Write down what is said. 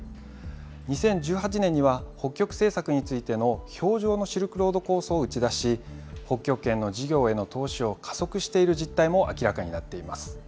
２０１８年には北極政策についての氷上のシルクロード構想を打ち出し、北極圏の事業への投資を加速している実態も明らかになっています。